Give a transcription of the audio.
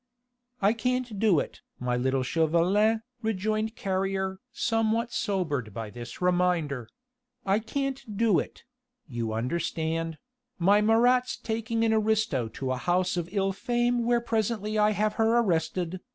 "I can't do it, my little Chauvelin," rejoined Carrier, somewhat sobered by this reminder. "I can't do it ... you understand ... my Marats taking an aristo to a house of ill fame where presently I have her arrested